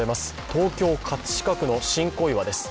東京・葛飾区の新小岩です。